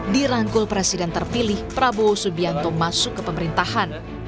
dirangkul presiden terpilih prabowo subianto masuk ke pemerintahan